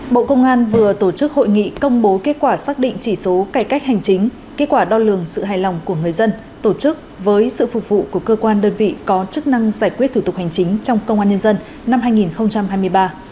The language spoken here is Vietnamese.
bộ công an vừa tổ chức hội nghị công bố kết quả xác định chỉ số cải cách hành chính kết quả đo lường sự hài lòng của người dân tổ chức với sự phục vụ của cơ quan đơn vị có chức năng giải quyết thủ tục hành chính trong công an nhân dân năm hai nghìn hai mươi ba